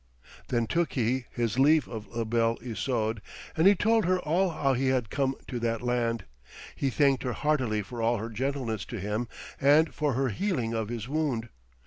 Then took he his leave of La Belle Isoude, and he told her all how he had come to that land. He thanked her heartily for all her gentleness to him and for her healing of his wound.